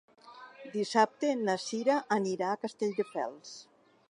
Dissabte na Cira anirà a Castelldefels.